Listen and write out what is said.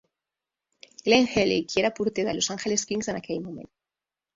Glenn Healy, qui era porter de Los Angeles Kings en aquell moment.